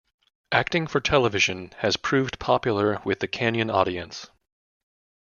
Acting for television has proved popular with the Kenyan audience.